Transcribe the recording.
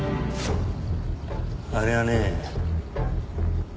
あれはね。